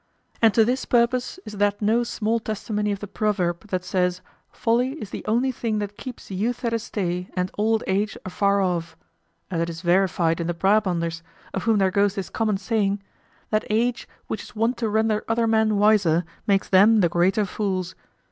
And to this purpose is that no small testimony of the proverb, that says, "Folly is the only thing that keeps youth at a stay and old age afar off;" as it is verified in the Brabanders, of whom there goes this common saying, "That age, which is wont to render other men wiser, makes them the greater fools."